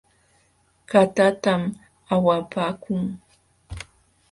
Katatam awapaakun .